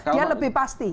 dia lebih pasti